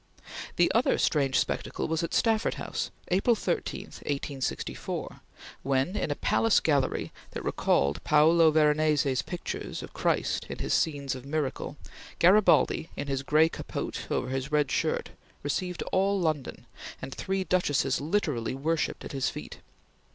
The other strange spectacle was at Stafford House, April 13, 1864, when, in a palace gallery that recalled Paolo Veronese's pictures of Christ in his scenes of miracle, Garibaldi, in his gray capote over his red shirt, received all London, and three duchesses literally worshipped at his feet.